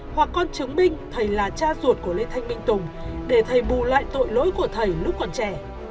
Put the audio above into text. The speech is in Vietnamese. hoặc con chứng minh thầy là cha ruột của lê thanh minh tùng để thầy bù lại tội lỗi của thầy lúc còn trẻ